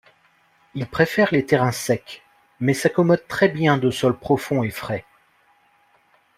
Il préfère les terrains secs, mais s'accommode très bien de sols profonds et frais.